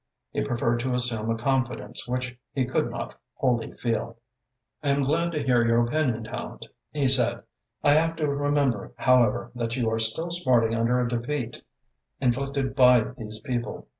He preferred to assume a confidence which he could not wholly feel. "I am glad to hear your opinion, Tallente," he said. "I have to remember, however, that you are still smarting under a defeat inflicted by these people.